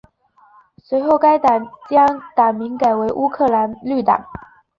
随后该党将党名改为乌克兰绿党。